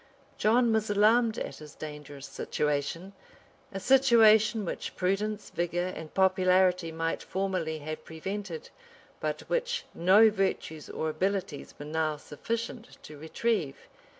[] John was alarmed at his dangerous situation; a situation which prudence, vigor, and popularity might formerly have prevented, but which no virtues or abilities were now sufficient to retrieve.